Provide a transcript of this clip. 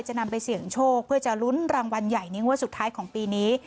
นำไปเสี่ยงโชคเพื่อจะลุ้นรางวัลใหญ่ในงวดสุดท้ายของปีนี้